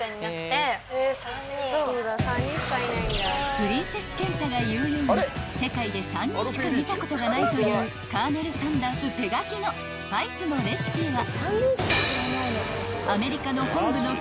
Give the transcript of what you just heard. ［プリンセスケンタが言うように世界で３人しか見たことがないというカーネル・サンダース手書きのスパイスのレシピは］